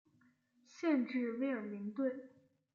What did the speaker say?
县治威尔明顿。